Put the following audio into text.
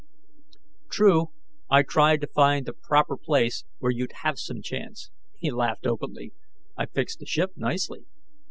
"True. I tried to find the proper place, where you'd have some chance." He laughed openly. "I fixed the ship nicely."